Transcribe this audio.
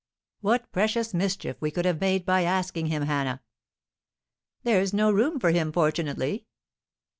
"What precious mischief we could have made by asking him, Hannah!" "There's no room for him, fortunately."